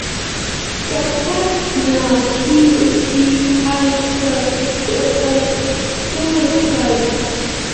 که فرد ناهيلي سي هر څه ورته تور ښکاري.